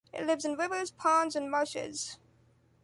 It lives in rivers, ponds and marshes.